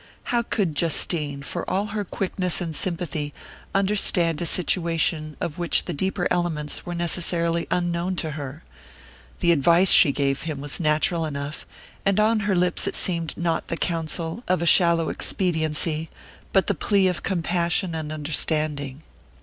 How could Justine, for all her quickness and sympathy, understand a situation of which the deeper elements were necessarily unknown to her? The advice she gave him was natural enough, and on her lips it seemed not the counsel of a shallow expediency, but the plea of compassion and understanding.